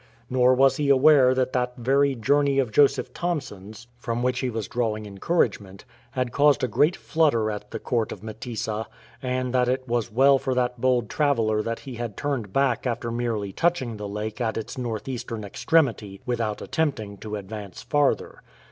Nor was he aware that that very journey of Joseph Thomson's, from which he was 126 THROUGH MASAILAND drawing encouragement, had caused a great flutter at the court of Mtesa, and that it was well for that bold traveller that he had turned back after merely touching the lake at its north eastern extremity, without attempt ing to advance farther.